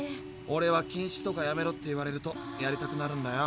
オレは「禁止」とか「やめろ」って言われるとやりたくなるんだよ。